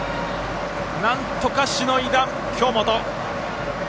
なんとかしのいだ京本。